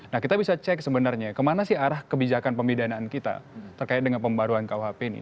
nah kita bisa cek sebenarnya kemana sih arah kebijakan pemidanaan kita terkait dengan pembaruan kuhp ini